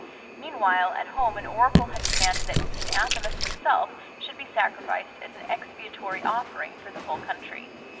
Meanwhile at home an oracle had commanded that King Athamas himself should be sacrificed as an expiatory offering for the whole country.